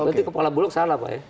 berarti kepala bulog salah pak ya